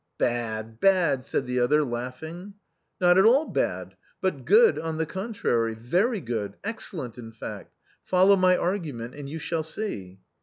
" Bad, bad," said the other laughing. " Not at all bad, but good on the contrary, very good, excellent in fact. Follow my argument and you shall see."